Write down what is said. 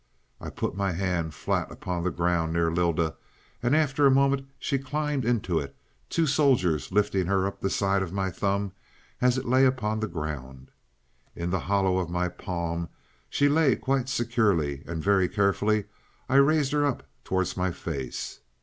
"I put my hand flat upon the ground near Lylda, and after a moment she climbed into it, two soldiers lifting her up the side of my thumb as it lay upon the ground. In the hollow of my palm, she lay quite securely, and very carefully I raised her up towards my face.